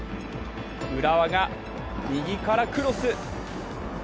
浦和が右からクロス。